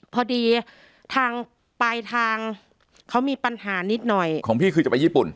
พอดีทางปลายทางเขามีปัญหานิดหน่อยของพี่คือจะไปญี่ปุ่น